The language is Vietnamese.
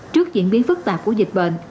trước diễn biến phức tạp của dịch bệnh